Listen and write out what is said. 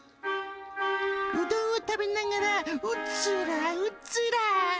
うどんを食べながらうつらうつら。